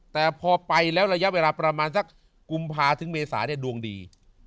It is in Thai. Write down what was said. แต่พอไปแล้วระยะเวลาประมาณสักกุมภาถึงเมษาเนี่ยดวงดี